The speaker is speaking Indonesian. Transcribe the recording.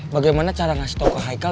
bagaimana cara ngasih tau ke hayo